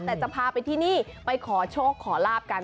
แต่จะพาไปที่นี่ไปขอโชคขอลาบกัน